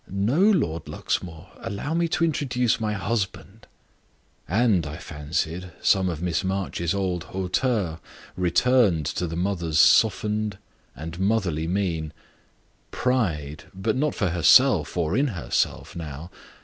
"No, Lord Luxmore, allow me to introduce my husband." And, I fancied, some of Miss March's old hauteur returned to the mother's softened and matronly mien; pride, but not for herself or in herself, now.